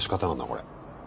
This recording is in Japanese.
これ。